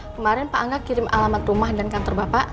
kemarin pak angga kirim alamat rumah dan kantor bapak